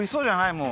もう。